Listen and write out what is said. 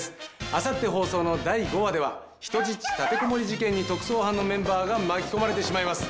あさって放送の第５話では人質立てこもり事件に特捜班のメンバーが巻き込まれてしまいます。